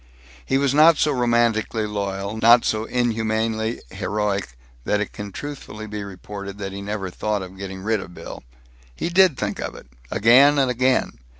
He was not so romantically loyal, not so inhumanly heroic, that it can truthfully be reported that he never thought of getting rid of Bill. He did think of it, again and again.